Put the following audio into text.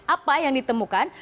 apa yang ditemukan